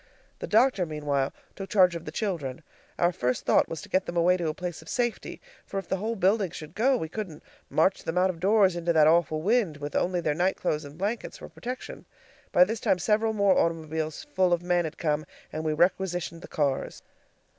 The doctor meanwhile took charge of the children. Our first thought was to get them away to a place of safety, for if the whole building should go, we couldn't march them out of doors into that awful wind, with only their night clothes and blankets for protection. By this time several more automobiles full of men had come, and we requisitioned the cars.